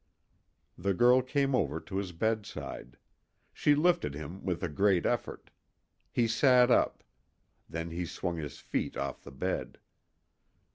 The girl came over to his bedside. She lifted him with a great effort. He sat up. Then he swung his feet off the bed.